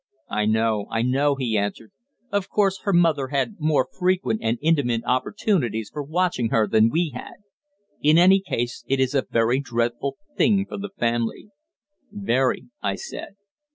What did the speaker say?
"I know, I know," he answered. "Of course, her mother had more frequent and intimate opportunities for watching her than we had. In any case it is a very dreadful thing for the family." "Very!" I said.